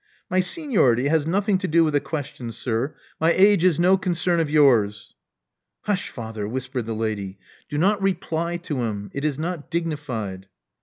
My seniority has nothing to do with the question, sir. My age is no concern of yours." Hush, father, whispered the lady. *' Do not reply to him. It is not dignified.